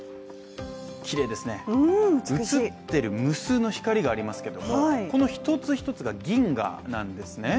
きれいですね、写っている無数の光がありますけどもこの一つ一つが銀河なんですね。